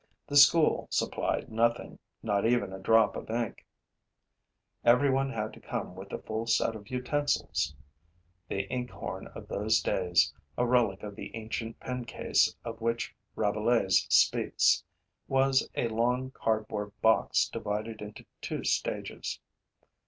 The school supplied nothing, not even a drop of ink; every one had to come with a full set of utensils. The inkhorn of those days, a relic of the ancient pen case of which Rabelais speaks, was a long cardboard box divided into two stages.